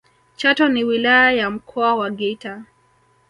chato ni wilaya ya mkoa wa geita